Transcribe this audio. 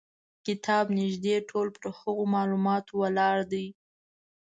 کتاب نیژدې ټول پر هغو معلوماتو ولاړ دی.